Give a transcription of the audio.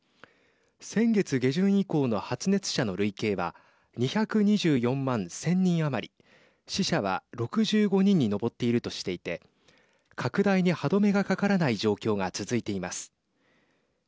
先月下旬以降の発熱者の累計は２２４万１０００人余り死者は６５人に上っているとしていて拡大に歯止めがかからない状況が続いています。